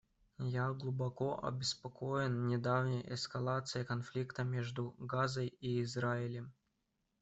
Я глубоко обеспокоен недавней эскалацией конфликта между Газой и Израилем.